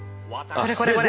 これこれこれ。